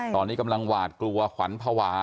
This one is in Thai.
ตอนนี้กำลังหวาดกลัวขวัญภาวะ